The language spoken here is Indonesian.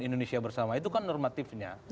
indonesia bersama itu kan normatifnya